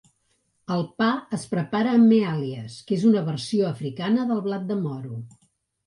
El pa es prepara amb "mealies", que és una versió africana del blat de moro.